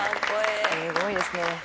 すごいですね。